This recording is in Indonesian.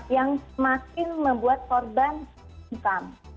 yang makin membuat korban hukum